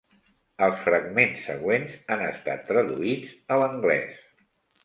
Els fragments següents han estat traduïts a l'anglès.